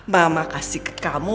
mama kasih ke kamu